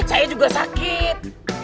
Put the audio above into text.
saya juga sakit